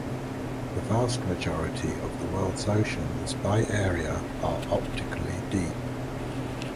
The vast majority of the world’s oceans by area are optically deep.